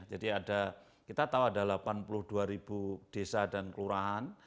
jadi ada kita tahu ada delapan puluh dua desa dan kelurahan